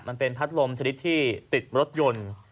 มันเป็นพัดลมชนิดที่ติดรถยนต์